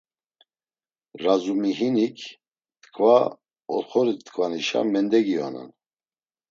Razumihinik t̆ǩva oxorit̆ǩvanişa mendegionan.